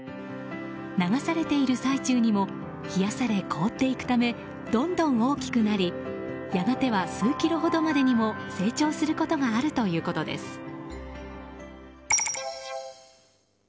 流されている最中にも冷やされ凍っていくためどんどん大きくなりやがては数キロほどまでにも成長することがあるということです。